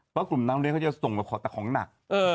เพราะกลุ่มน้ำเลี้ยเขาจะส่งแบบขอแต่ของหนัก